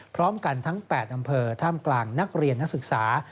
พร้อมกันทั้ง๘อำเภอท่ามกลางนักเรียนนักศึกษา